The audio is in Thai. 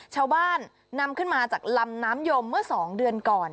ชาวบ้านนำขึ้นมาจากลำน้ำยมเมื่อ๒เดือนก่อน